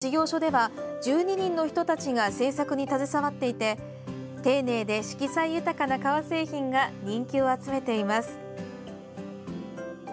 この事業所では１２人の人たちが製作に携わっていて丁寧で色彩豊かな革製品が人気を集めています。